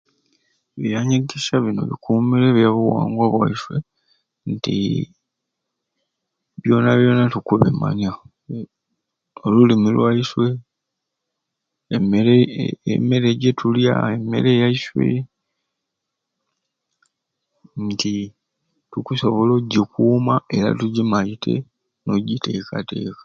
Ebyanyegesya bini bikumire ebyabuwangwa bwaiswe nti byona byona tukubimanya olulumi lwaiswe emere emere jetulya emere yaiswe nti tukusobola ogyikuuma era tugyimaite ogiteekateeka.